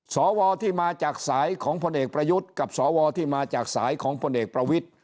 สวที่มาจากสายของพลเอกประยุทธ์กับสวที่มาจากสายของพลเอกประวิทธิ